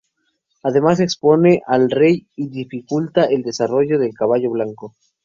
Además expone al rey y dificulta el desarrollo del caballo blanco.